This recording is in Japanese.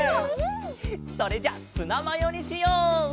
それじゃあツナマヨにしよう！